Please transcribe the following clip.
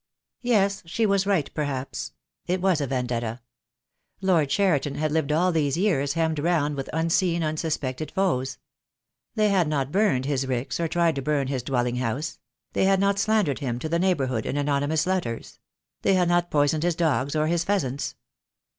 Yes, she was right perhaps. It was a vendetta. Lord Cheriton had lived all these years hemmed round with unseen, unsuspected foes. They had not burned his ricks, or tried to burn his dwelling house; they had not slandered him to the neighbourhood in anonymous letters; they had not poisoned his dogs or his pheasants.